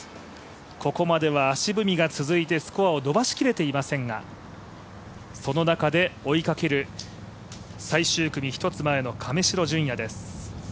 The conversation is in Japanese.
ここまでは足踏みが続いてスコアを伸ばしきれていませんがその中で追いかける最終組１つ前の亀代順哉です。